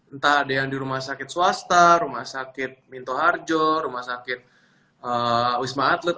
entah ada yang di rumah sakit swasta rumah sakit minto harjo rumah sakit wisma atlet